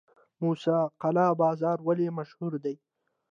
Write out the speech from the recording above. موسی قلعه بازار ولې مشهور دی؟